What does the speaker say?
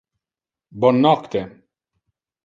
Bon nocte!